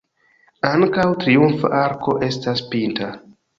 Ankaŭ triumfa arko estas pinta.